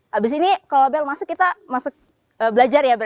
habis ini kalau bel masuk kita belajar ya berarti ya